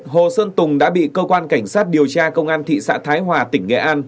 hồ xuân tùng đã bị cơ quan cảnh sát điều tra công an thị xã thái hòa tỉnh nghệ an